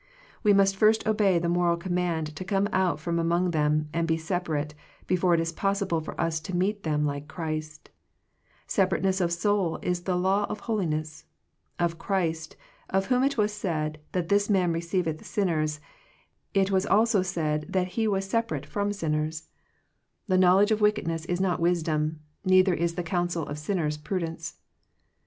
We must first obey the moral command to come out from among them and be separate, before it is possi ble for us to meet them like Christ Separateness of soul is the law of holi ness. Of Christ, of whom it was said that this man receiveth sinners, it was also said that He was separate from sinners* 104 Digitized by VjOOQIC THE CHOICE OF FRIENDSHIP The knowledge of wickedness is not wisdom, neither is the counsel of sinners prudence.